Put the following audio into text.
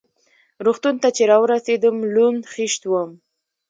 روغتون ته چې را ورسېدم لوند خېشت وم.